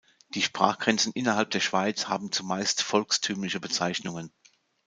Die Sprachgrenzen innerhalb der Schweiz haben zumeist volkstümliche Bezeichnungen.